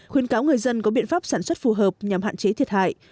khuyên cáo người dân có biện pháp sản xuất phù hợp nhằm hạn chế thiệt hại